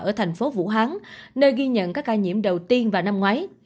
ở thành phố vũ hán nơi ghi nhận các ca nhiễm đầu tiên vào năm ngoái